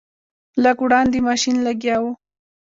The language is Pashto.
لږ وړاندې ماشین لګیا و.